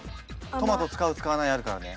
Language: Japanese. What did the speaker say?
トマト使う使わないあるからね。